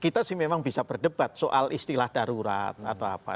kita sih memang bisa berdebat soal istilah darurat atau apa